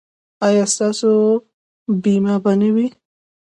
ایا ستاسو بیمه به نه وي؟